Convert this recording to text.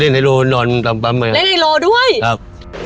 เล่นไอโลนอนตามปั๊มไว้ครับเล่นไอโลด้วยครับ